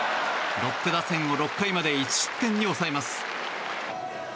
ロッテ打線を６回まで１失点に抑えます。